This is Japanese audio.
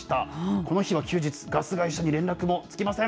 この日は休日、ガス会社に連絡も付きません。